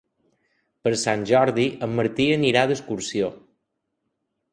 Per Sant Jordi en Martí anirà d'excursió.